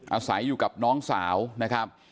อาศัยอยู่กับน้องสาวนะครับ